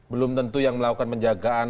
belum tentu yang melakukan penjagaan